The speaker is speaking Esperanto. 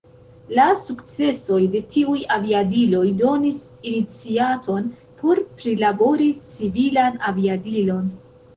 La sukcesoj de tiuj aviadiloj donis iniciaton por prilabori civilan aviadilon.